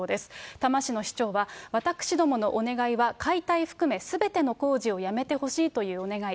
多摩市の市長は、私どものお願いは解体含め、すべての工事をやめてほしいというお願い。